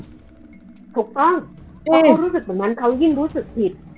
ถูกต้องเพราะว่าเขารู้สึกแบบนั้นเขายิ่งรู้สึกผิด